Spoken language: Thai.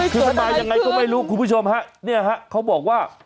คือมันมายังไงก็ไม่รู้คุณผู้ชมฮะเนี่ยฮะเขาบอกว่า